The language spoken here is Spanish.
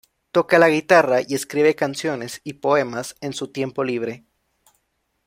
Toca la guitarra y escribe canciones y poemas en su tiempo libre.